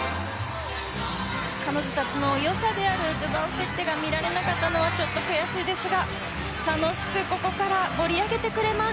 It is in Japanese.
彼女たちのよさであるドゥバンフェッテが見られなかったのはちょっと悔しいですが楽しくここから盛り上げてくれます。